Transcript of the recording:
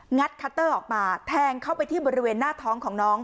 คัตเตอร์ออกมาแทงเข้าไปที่บริเวณหน้าท้องของน้อง